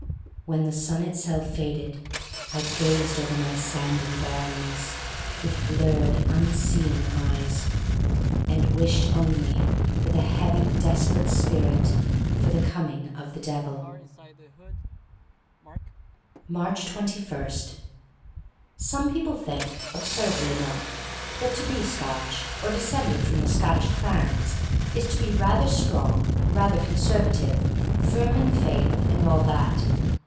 When the sun itself faded I gazed oyer my sand and barrenness with blurred, unseeing eyes and wished only with a heavy, desolate spirit for the coming of the Devil, Aarcb 21. SOME people think, absurdly enough, that to be Scotch or descended from the Scottish clans is to be rather strong, rather conserva tive, firm in faith, and all that.